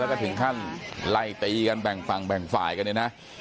และก็ถึงขั้นไล่ตีกันแบ่งฝ่ายกันเลย